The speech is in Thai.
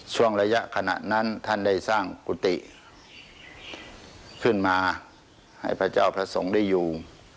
ช่วงระยะขณะนั้นท่านได้สร้างกุฏิขึ้นมาให้พระเจ้าพระสงฆ์ได้อยู่